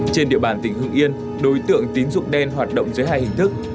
trên địa bàn tỉnh hưng yên đối tượng tín dụng đen hoạt động dưới hai hình thức